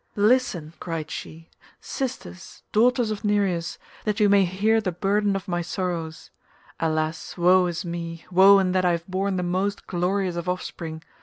"Listen," she cried, "sisters, daughters of Nereus, that you may hear the burden of my sorrows. Alas, woe is me, woe in that I have borne the most glorious of offspring.